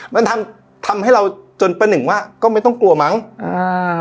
มันทำทำให้เราจนประหนึ่งว่าก็ไม่ต้องกลัวมั้งอ่า